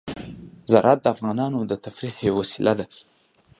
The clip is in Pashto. زراعت د افغانانو د تفریح یوه وسیله ده.